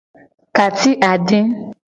Ka ci ade.